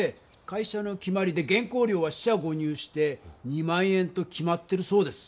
会社の決まりで原稿料は四捨五入して２万円と決まってるそうです。